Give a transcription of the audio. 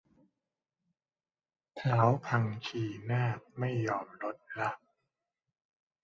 ท้าวพังคีนาคไม่ยอมลดละ